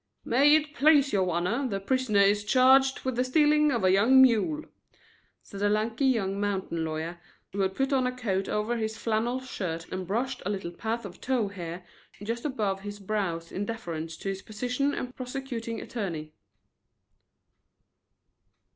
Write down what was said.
"May it please your honor, the prisoner is charged with the stealing of a young mule," said a lanky young mountain lawyer, who had put on a coat over his flannel shirt and brushed a little patch of tow hair just above his brows in deference to his position of prosecuting attorney.